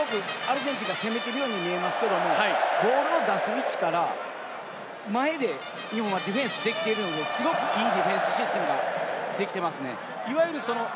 今もアルゼンチンが攻めているように見えますけれど、ボールを出す位置から前で日本はディフェンスできているので、すごくいいディフェンスシステムができていますね。